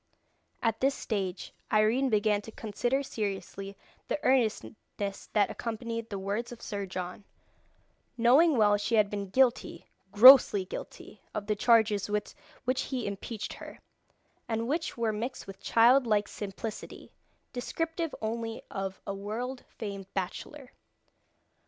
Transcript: At this stage Irene began to consider seriously the earnestness that accompanied the words of Sir John, knowing well she had been guilty, grossly guilty, of the charges with which he impeached her, and which were mixed with child like simplicity, descriptive only of a world famed bachelor.